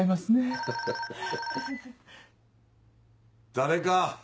誰か？